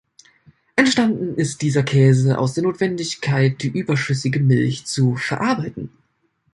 Entstanden ist dieser Käse aus der Notwendigkeit, die überschüssige Milch zu verarbeiten.